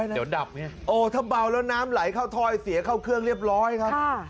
เบาเรียบร้อยแล้วถ้าเบาแล้วน้ำไหลเข้าถอยเสียเข้าเครื่องเรียบร้อยครับ